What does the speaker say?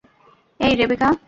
এই, রেবেকা।